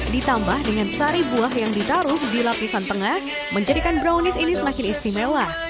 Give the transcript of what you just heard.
ditambah dengan sari buah yang ditaruh di lapisan tengah menjadikan brownies ini semakin istimewa